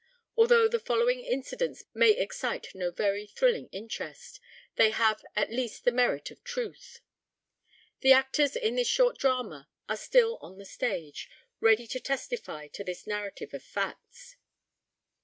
Although the following incidents may excite no very thrilling interest, they have at least the merit of truth. The actors in this short drama are still on the stage, ready to testify to this narrative of facts.